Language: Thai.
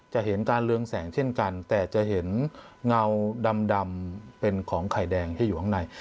จะเห็นการเรืองแสงเช่นกันแต่จะเห็นเงาดำเป็นของไข่แดงที่อยู่ข้างใน